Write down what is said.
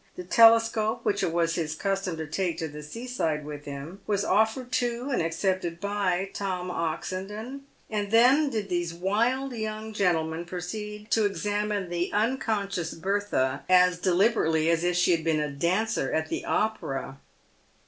The telescope which it was his custom to take to the sea side with him was offered to and accepted by Tom Oxen don, and then did these wild young gentlemen proceed to examine the unconscious Bertha as deliberately as if she had been a dancer at the Opera.